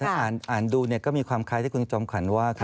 ถ้าอ่านดูก็มีความคล้ายที่คุณจอมขวัญว่า